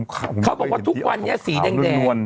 เขาบอกว่าทุกวันนี้สีแดง